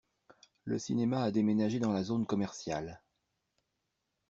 Le cinéma a déménagé dans la zone commerciale.